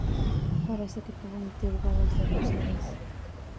Parece que tuvo intervalos de lucidez.